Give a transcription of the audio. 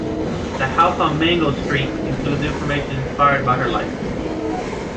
"The House on Mango Street" includes information inspired by her life".